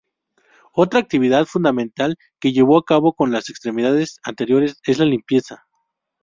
Otra actividad fundamental que llevan a cabo con las extremidades anteriores es la limpieza.